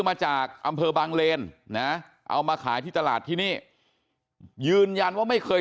มาจากอำเภอบางเลนนะเอามาขายที่ตลาดที่นี่ยืนยันว่าไม่เคย